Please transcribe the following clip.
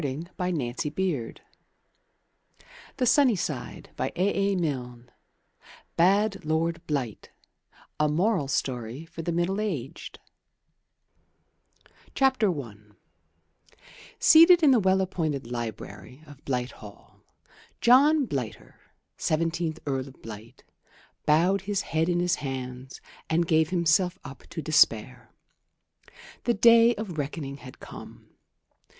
and I handed her the wedding ring. VI. A FEW GUESTS BAD LORD BLIGHT (A Moral Story for the Middle aged) I Seated in the well appointed library of Blight Hall, John Blighter, Seventeenth Earl of Blight, bowed his head in his hands and gave himself up to despair. The day of reckoning had come.